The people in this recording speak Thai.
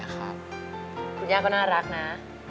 คุณย่าก็น่ารักนะ